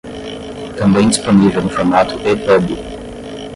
também disponível no formato ePub